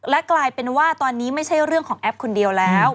และกลายเป็นว่าตอนนี้ไม่ใช่เรื่องของแอปคนเดียวแล้ว